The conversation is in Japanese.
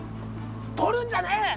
撮るんじゃねえ！